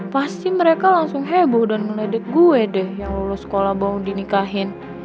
pasti mereka langsung heboh dan menedek gue deh yang lulus sekolah mau dinikahin